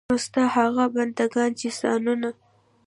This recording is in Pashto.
نو ستا هغه بندګان چې ځانونه.